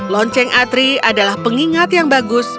lonceng atri adalah pengingat yang bagus